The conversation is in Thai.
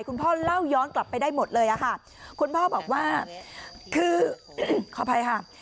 คุณพ่อเล่าย้อนกลับไปได้หมดเลยอะค่ะคุณพ่อบอกว่าคือขออภัยค่ะ